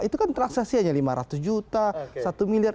itu kan transaksi hanya lima ratus juta satu miliar